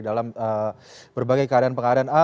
dalam berbagai keadaan keadaan